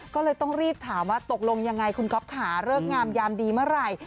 ก็เลยต้องรีบถามว่าตกลงยังไงคุณก๊อฟค่ะเลิกงามยามดีเมื่อไหร่